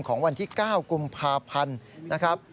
ของวันที่๙กุมภาพันธ์นะครับ